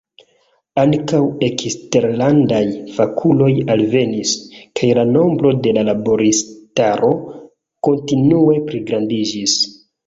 Ankaŭ eksterlandaj fakuloj alvenis, kaj la nombro de laboristaro kontinue pligrandiĝis.